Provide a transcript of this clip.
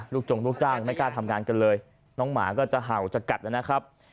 จงลูกจ้างไม่กล้าทำงานกันเลยน้องหมาก็จะเห่าจะกัดแล้วนะครับ